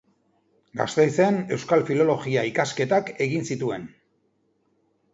Gasteizen euskal filologia ikasketak egin zituen.